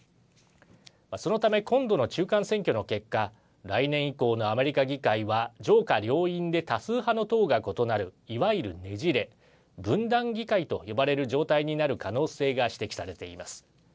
そのため、今度の中間選挙の結果来年以降のアメリカ議会は上下両院で多数派の党が異なるいわゆるねじれ、分断議会と呼ばれる状態になる可能性が指摘されています。